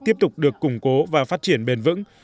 tiếp tục được củng cố và phát triển bền vững